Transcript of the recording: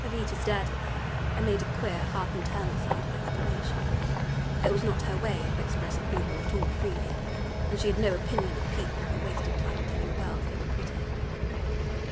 Jovita stared at her and made a queer half internal sound of exclamation. It was not her way to express approval at all freely, and she had no opinion of people who wasted time in telling girls they were pretty.